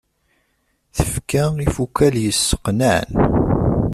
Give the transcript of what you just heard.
Tefka ifukal yesseqnaɛen.